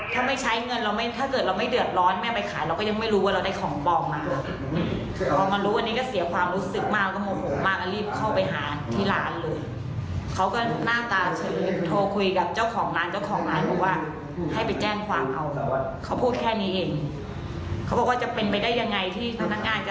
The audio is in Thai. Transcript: อย่างไรที่นักงานจะสรรพ์เปลี่ยนไหน